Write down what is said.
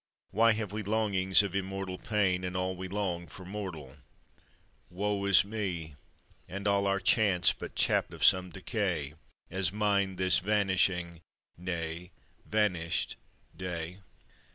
Why have we longings of immortal pain, And all we long for mortal? Woe is me, And all our chants but chaplet some decay, As mine this vanishing nay, vanished Day.